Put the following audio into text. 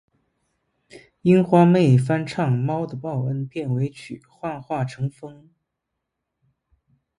樱花妹翻唱《猫的报恩》片尾曲《幻化成风》